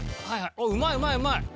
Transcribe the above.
うまいうまいうまい！